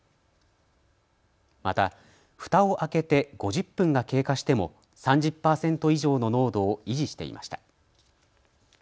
また、ふたを開けて５０分が経過しても３０％以上の濃度を維持していました。